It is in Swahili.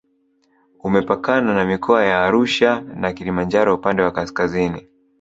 Umepakana na mikoa ya Arusha na Kilimanjaro upande wa kaskazini